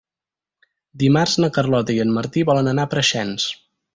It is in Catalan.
Dimarts na Carlota i en Martí volen anar a Preixens.